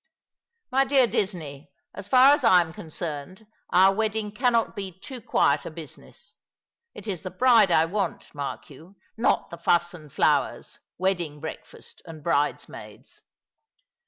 My dear Disney, so far as I am concerned, our wedding cannot be too quiet a business. It is the bride I want, mark you, not the fuss and flowers, wedding breakfast, and bridesmaids.